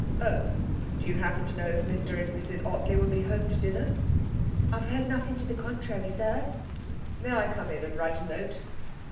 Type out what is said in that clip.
'Oh! Do you happen to know if Mr and Mrs Ottley will be at home to dinner?' 'I've heard nothing to the contrary, sir.' 'May I come in and write a note?'